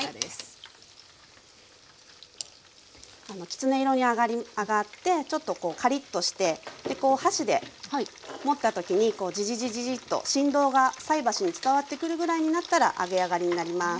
きつね色に揚がってちょっとこうカリッとして箸で持った時にジジジジジッと振動が菜箸に伝わってくるぐらいになったら揚げ上がりになります。